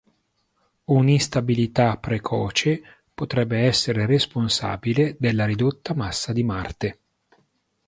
Un'instabilità precoce potrebbe essere responsabile della ridotta massa di Marte.